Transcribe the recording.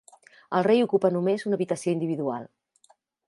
El rei ocupa només una habitació individual.